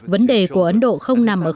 vấn đề của ấn độ không nằm ở khu vực này